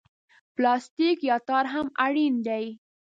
پلاستیک یا تار هم اړین دي.